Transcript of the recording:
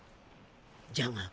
じゃが。